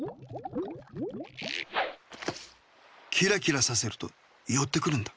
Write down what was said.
キラキラさせるとよってくるんだ。